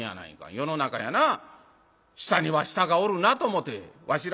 世の中にはな下には下がおるなと思てわしらがうれしな」。